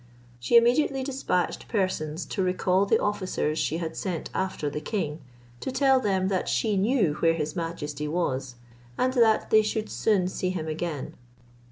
She immediately despatched persons to recall the officers she had sent after the king, to tell them that she knew where his majesty was, and that they should soon see him again.